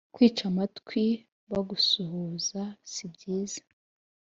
kwica amatwi abantu bagusuhuza sibyiza